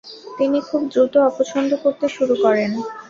তিনি খুব দ্রুত অপছন্দ করতে শুরু করেন।